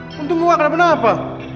untung gue nggak kena bener apa